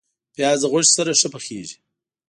پیاز د غوښې سره ښه پخیږي